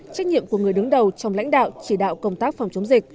trách nhiệm của người đứng đầu trong lãnh đạo chỉ đạo công tác phòng chống dịch